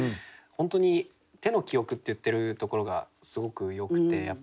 本当に「手の記憶」って言ってるところがすごくよくて。